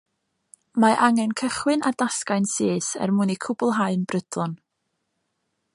Mae angen cychwyn ar dasgau'n syth er mwyn eu cwblhau'n brydlon